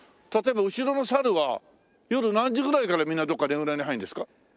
例えば後ろのサルは夜何時ぐらいからみんなどこかねぐらに入るんですか？